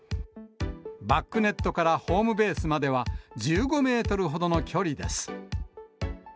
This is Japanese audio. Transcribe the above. バックネットからホームベースまでは、１５メートルほどの距離です。